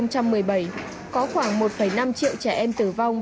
có khoảng một năm triệu trẻ em tử vong